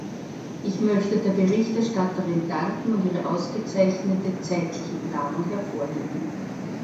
Ich möchte der Berichterstatterin danken und ihre ausgezeichnete zeitliche Planung hervorheben.